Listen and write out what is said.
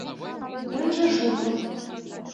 Ынже шурго.